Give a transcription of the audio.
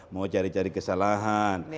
mau cari cari kesalahan